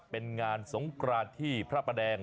เป็นงานสงกรานที่พระประแดง